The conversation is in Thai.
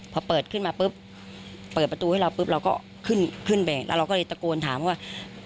พอเปิดขึ้นมาปุ๊บเปิดประตูให้เราปุ๊บเราก็ขึ้นขึ้นไปแล้วเราก็เลยตะโกนถามว่า